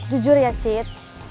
jujur ya cit